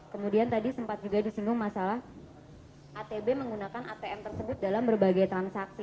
kemudian tadi sempat juga disinggung masalah atb menggunakan atm tersebut dalam berbagai transaksi